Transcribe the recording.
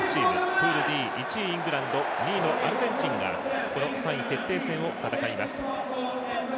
プールＤ、１位、イングランド２位のアルゼンチンがこの３位決定戦を戦います。